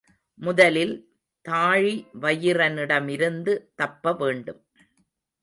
முதலில் தாழிவயிறனிடமிருந்து தப்பவேண்டும்.